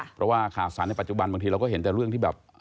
เพราะว่าข่าวสารในปัจจุบันบางทีเราก็เห็นแต่เรื่องที่แบบ